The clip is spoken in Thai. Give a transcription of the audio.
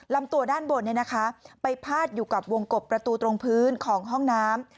ลำตัวด้านบนไปพาดอยู่กับวงกบประตูตรงพื้นของห้องน้ำ